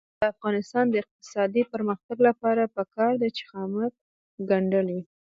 د افغانستان د اقتصادي پرمختګ لپاره پکار ده چې خامک ګنډل وي.